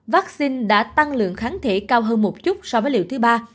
vắc xin đã tăng lượng kháng thể cao hơn một chút so với liệu thứ ba